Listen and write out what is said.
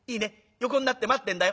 横になって待ってんだよ。